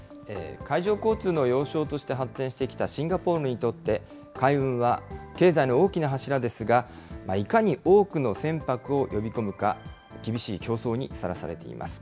海上交通の要衝として発展してきたシンガポールにとって、海運は経済の大きな柱ですが、いかに多くの船舶を呼び込むか、厳しい競争にさらされています。